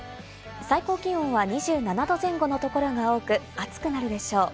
最高気温は２７度前後の所が多く、暑くなるでしょう。